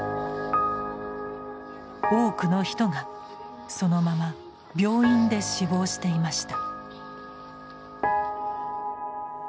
多くの人がそのまま病院で死亡していました。